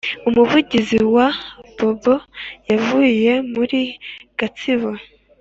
umuvugizi wa bobo yavuye muri gatsibo